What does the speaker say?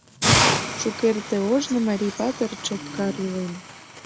Шукерте ожно марий патыр Чоткар илен